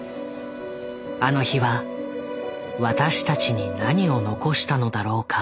あの日は私たちに何を残したのだろうか？